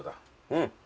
うん。